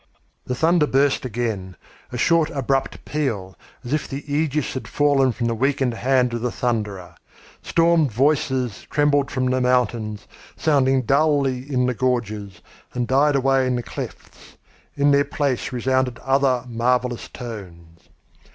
The thunder burst again a short, abrupt peal, as if the egis had fallen from the weakened hand of the thunderer. Storm voices trembled from the mountains, sounding dully in the gorges, and died away in the clefts. In their place resounded other, marvellous tones.